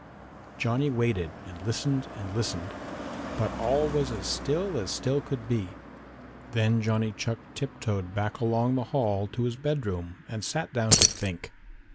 Johnny waited and listened and listened, but all was as still as still could be. Then Johnny Chuck tiptoed back along the hall to his bedroom and sat down to think.